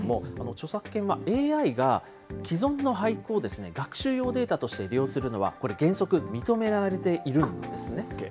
著作権はＡＩが既存の俳句を学習用データとして利用するのは、これ、原則、認められているんですね。